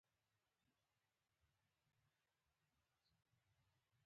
هر څه په خوله غواړي.